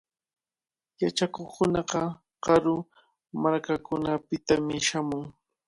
Yachakuqkunaqa karu markakunapitami shamun.